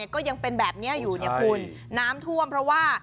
ก็ยังเป็นแบบนี้อยู่เนี่ยคุณน้ำท่วมเพราะว่า